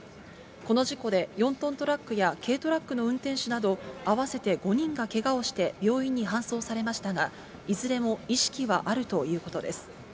この事故で、４トントラックや軽トラックの運転手など、合わせて５人がけがをして病院に搬送されましたが、いずれも意識はあるということです。